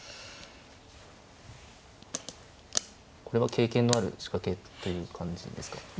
これは経験のある仕掛けという感じですか。